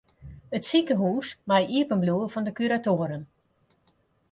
It sikehús mei iepen bliuwe fan de kuratoaren.